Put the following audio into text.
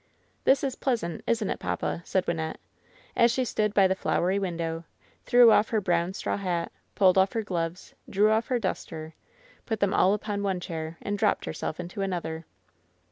"This is pleasant, isn't it, papa V^ said Wynnette, as she stood by the flowery window, threw off her brown straw hat, pulled off her gloves, drew off her duster, put them all upon one chair and dropped herself into an other.